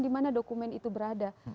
di mana dokumen itu berada